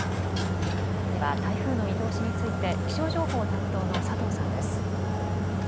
では台風の見通しについて気象情報担当の佐藤さんです。